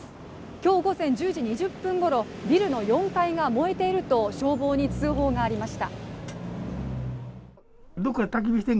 今日午前１０時２０分ごろ、ビルの４階が燃えていると消防に通報がありました。